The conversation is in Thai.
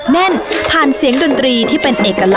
คุณผู้ชมอยู่กับดิฉันใบตองราชนุกูลที่จังหวัดสงคลาค่ะ